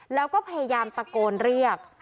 แล้วก็พยายามตะโกนเรียก